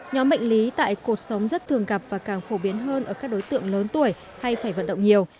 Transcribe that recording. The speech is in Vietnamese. nhóm bệnh lý tại cuộc sống rất thường gặp và càng phổ biến hơn ở các đối tượng lớn tuổi hay phải vận động nhiều